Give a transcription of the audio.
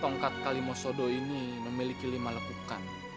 tongkat kalimosodo ini memiliki lima lepukan